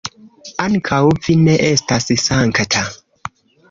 Ankaŭ vi ne estas sankta.